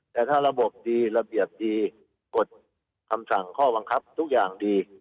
แต่ถ้าระบบดีระเบียบดีกฎคำสั่งข้อบังคับทุกอย่างดี